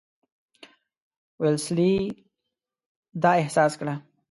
ویلسلي دا احساس کړه.